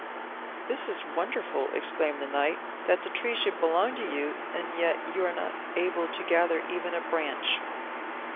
"This is wonderful," exclaimed the knight, "that the tree should belong to you, and yet you are not able to gather even a branch."